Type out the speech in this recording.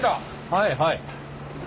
はいはい。